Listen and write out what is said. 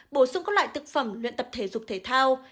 bổ sung các loại thực phẩm luyện tập thể dục thể thao